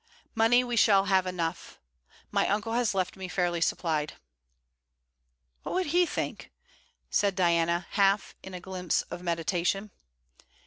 'Money we shall have enough. My uncle has left me fairly supplied.' 'What would he think?' said Diana, half in a glimpse of meditation.